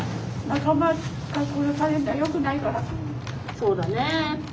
そうだね。